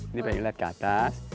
ini pagi lihat ke atas